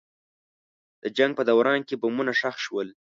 د جنګ په دوران کې بمونه ښخ شول.